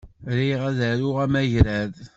Riɣ ad d-aruɣ amagrad.